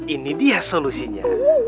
ini dia solusinya